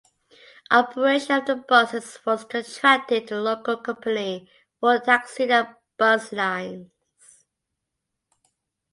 Operation of the buses was contracted to local company Fort Taxi and Buslines.